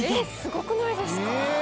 すごくないですか？